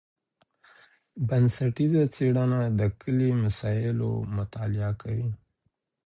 بنسټیزه څېړنه د کلي مسایلو مطالعه کوي.